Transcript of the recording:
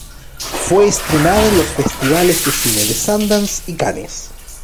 Fue estrenada en los Festivales de Cine de Sundance y Cannes.